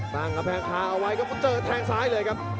ตั้งกำแพงคาเอาไว้ครับเจอแทงซ้ายเลยครับ